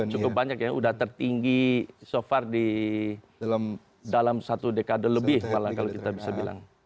cukup banyak ya sudah tertinggi so far di dalam satu dekade lebih kalau kita bisa bilang